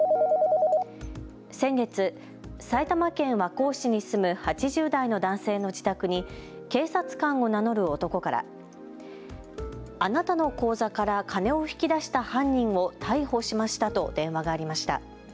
先月、埼玉県和光市に住む８０代の男性の自宅に警察官を名乗る男からあなたの口座から金を引き出した犯人を逮捕しましたと電話がありました。